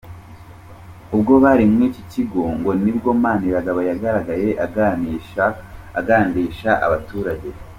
Ubwo bari mu iki gikorwa ngo nibwo Maniragaba yagaragaye agandisha abaturage.